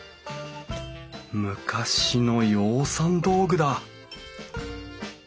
昔の養蚕道具だ！